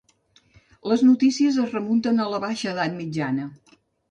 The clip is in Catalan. Les notícies es remunten a la baixa edat mitjana.